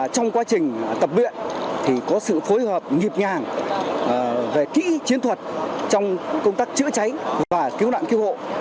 trong quá trình tập luyện thì có sự phối hợp nhịp nhàng về kỹ chiến thuật trong công tác chữa cháy và cứu nạn cứu hộ